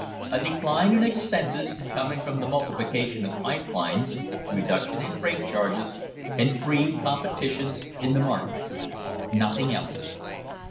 A decline in expenses, coming from the multi plication of pipe lines, reduction in freight charges, and free competition in the markets. Nothing else.